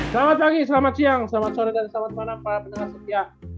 selamat pagi selamat siang selamat sore dan selamat malam para pendengar setia